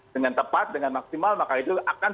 dengan tepat dengan maksimal maka itu akan